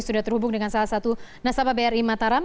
sudah terhubung dengan salah satu nasabah bri mataram